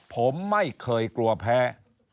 ผมไม่เคยกลัวแพ้